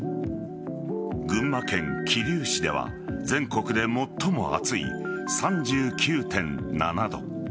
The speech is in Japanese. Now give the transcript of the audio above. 群馬県桐生市では全国で最も暑い３９．７度。